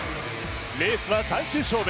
レースは最終勝負。